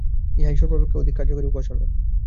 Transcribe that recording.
ইহাই সর্বাপেক্ষা অধিক কার্যকরী উপাসনা।